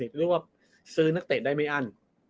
ถึงจะเรียกว่าซื้อนักเตรชได้ไหมอัน